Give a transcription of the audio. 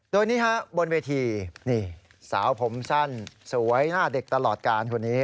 โดยนี่ฮะบนเวทีนี่สาวผมสั้นสวยหน้าเด็กตลอดการคนนี้